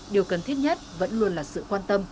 điều cần thiết nhất vẫn luôn là sự quan tâm